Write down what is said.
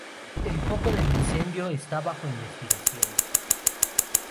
El foco del incendio está bajo investigación.